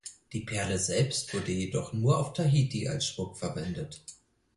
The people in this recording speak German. Die Perle selbst wurde jedoch nur auf Tahiti als Schmuck verwendet.